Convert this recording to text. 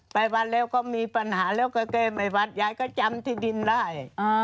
ไปวัดแล้วก็มีปัญหาแล้วก็แก้ไม่วัดยายก็จำที่ดินได้